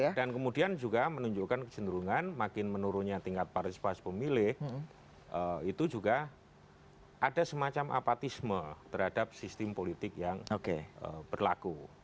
ya dan kemudian juga menunjukkan kecenderungan makin menurunnya tingkat partisipasi pemilih itu juga ada semacam apatisme terhadap sistem politik yang berlaku